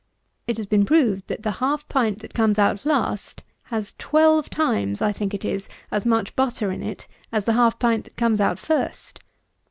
It has been proved that the half pint that comes out last has twelve times, I think it is, as much butter in it, as the half pint that comes out first.